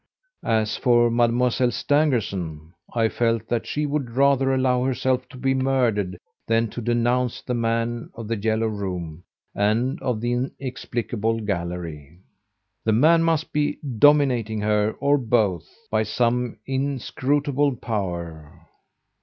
As for Mademoiselle Stangerson, I felt that she would rather allow herself to be murdered than denounce the man of "The Yellow Room" and of the inexplicable gallery. The man must be dominating her, or both, by some inscrutable power.